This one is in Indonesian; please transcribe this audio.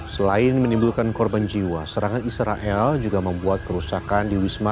selain menimbulkan korban jiwa serangan israel juga membuat kerusakan di wisma